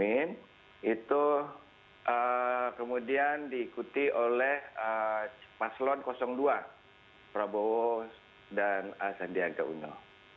amin itu kemudian diikuti oleh paslon dua prabowo dan sandiaga uno